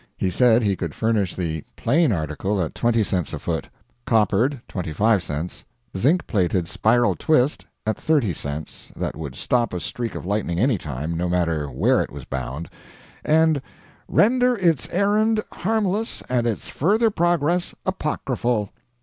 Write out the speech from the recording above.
He said he could furnish the "plain" article at 20 cents a foot; "coppered," 25 cents; "zinc plated spiral twist," at 30 cents, that would stop a streak of lightning any time, no matter where it was bound, and "render its errand harmless and its further progress apocryphal."